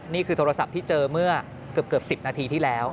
โทรศัพท์ที่เจอเมื่อเกือบ๑๐นาทีที่แล้ว